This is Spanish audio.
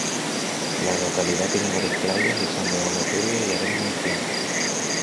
La localidad tiene varias playas y son de agua turbia y arena muy fina.